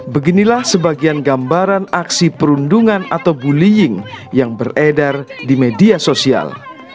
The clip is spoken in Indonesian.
beginilah sebagian gambaran aksi perundungan atau bullying yang beredar di media sosial